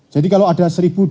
jadi kalau ada